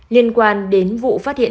liên quan đến vụ phát hiện